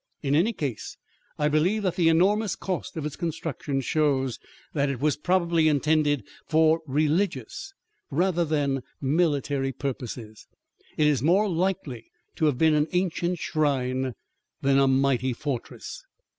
In any case I believe that the enormous cost of its construction shows that it was probably intended for religious rather than military purposes. It is more likely to have been an ancient shrine than a mighty fortress.